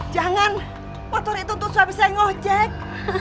jangan motor itu untuk suami saya ngohjek